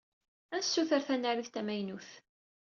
Ad nessuter tanarit tamaynut.